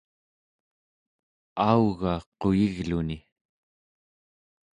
auga quyigluni